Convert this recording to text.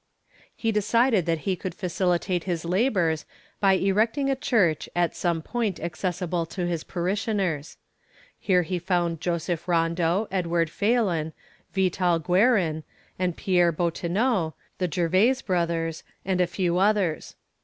He decided that he could facilitate his labors by erecting a church at some point accessible to his parishioners. Here he found Joseph Rondo, Edward Phalen, Vetal Guerin, Pierre Bottineau, the Gervais Brothers, and a few others.